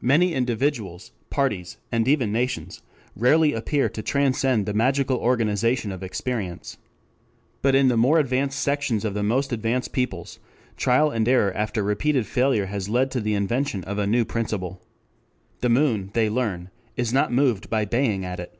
Many individuals, parties, and even nations, rarely appear to transcend the magical organization of experience. But in the more advanced sections of the most advanced peoples, trial and error after repeated failure has led to the invention of a new principle. The moon, they learn, is not moved by baying at it.